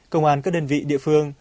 công an các đơn vị địa phương